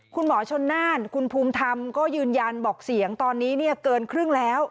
คุณหมอชนน่านคุณภูมิธรรมก็ยืนยันบอกเสียงตอนนี้เนี่ยเกินครึ่งแล้ว